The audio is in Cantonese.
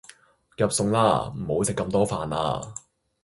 夾餸啦，唔好食咁多飯呀